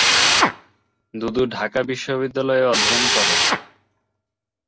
দুদু ঢাকা বিশ্ববিদ্যালয়ে অধ্যয়ন করেন।